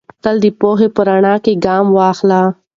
تل د پوهې په رڼا کې ګام واخلئ.